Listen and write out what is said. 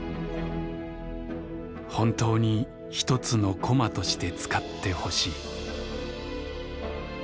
「本当に一つの駒として使ってほしい」。